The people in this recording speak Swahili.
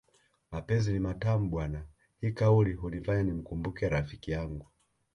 Mapenzi ni matamu bwana hii kauli hunifanya nimkumbuke rafikiyangu